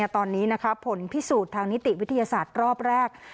ตอนนี้ผลพิสูจน์ทางนิติวิทยาศาสตร์รอบแรก